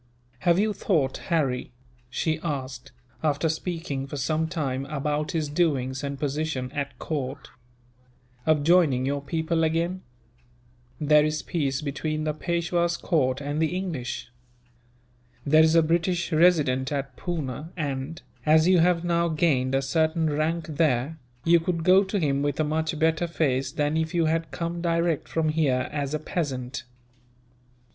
"Have you thought, Harry," she asked, after speaking for some time about his doings and position at court, "of joining your people again? There is peace between the Peishwa's court and the English. There is a British Resident at Poona and, as you have now gained a certain rank there, you could go to him with a much better face than if you had come direct from here, as a peasant.